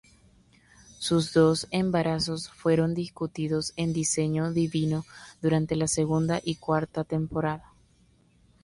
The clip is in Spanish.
Sus dos embarazos fueron discutidos en Diseño Divino, durante la segunda y cuarta temporada.